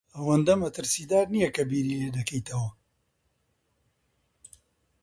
ئەوەندە مەترسیدار نییە کە بیری لێ دەکەیتەوە.